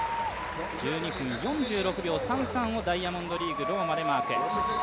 １２分４６秒３３をダイヤモンドリーグ・ローマでマーク。